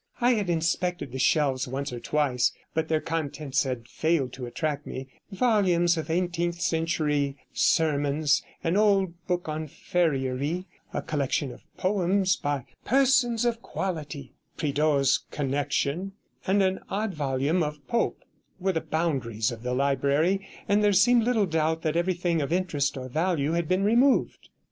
I had inspected the shelves once or twice, but their contents had failed to attract me; volumes of eighteenth century sermons, an old book on farriery, a collection of Poems by 'persons of quality,' Prideaus's Connection, and an odd volume of Pope, were the boundaries of the library, and there seemed little doubt that everything of interest or value had been removed.